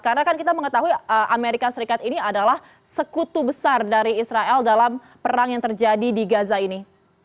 karena kan kita mengetahui amerika serikat ini adalah sekutu besar dari israel dalam perang yang terjadi di gaza ini